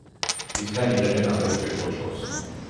მისგან იღებენ აგრეთვე ბოჭკოს.